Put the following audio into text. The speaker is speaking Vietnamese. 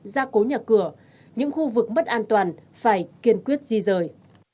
bảo cửa những khu vực bất an toàn phải kiên quyết di rời